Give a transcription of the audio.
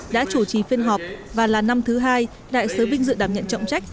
đã chủ trì phiên họp và là năm thứ hai đại sứ binh dự đảm nhận trọng trách